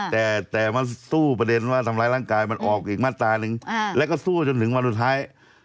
แต่มาสู้ประเด็นว่าทำร้ายร่างกายมันออกอีกมาตราหนึ่งแล้วก็สู้จนถึงวันสุดท้าย